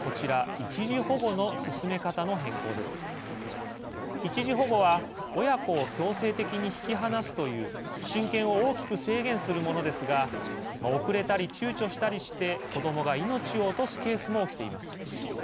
一時保護は親子を強制的に引き離すという親権を大きく制限するものですが遅れたり、ちゅうちょしたりして子どもが命を落とすケースも起きています。